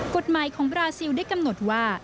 กฎหมายของบราซิลได้กำหนดว่า